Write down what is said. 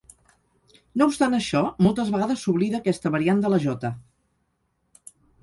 No obstant això, moltes vegades s’oblida aquesta variant de la jota.